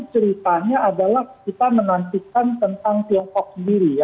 jadi ceritanya adalah kita menantikan tentang tiongkok sendiri ya